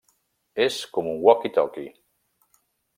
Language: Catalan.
És com un walkie-talkie.